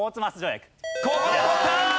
ここで取った！